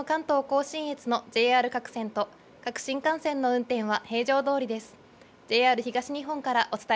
そのほかの関東甲信越のＪＲ各線と、各新幹線の運転は平常どおりです。